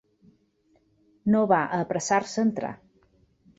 No va apressar-se a entrar.